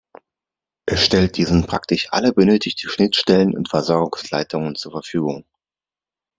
Es stellt diesen praktisch alle benötigten Schnittstellen und Versorgungsleitungen zur Verfügung.